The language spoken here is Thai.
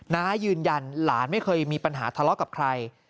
้ายืนยันหลานไม่เคยมีปัญหาทะเลาะกับใคร